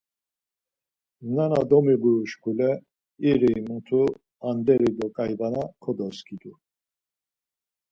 Nana domiğuru şǩule iri mutu anderi do ǩaybana kodoskidu.